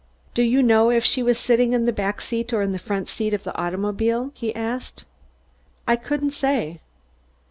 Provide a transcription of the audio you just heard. "Do you know if she was sitting in the back seat or the front seat of that automobile?" he asked. "I couldn't say."